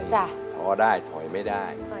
เจ็บไม่ได้ป่วยไม่ได้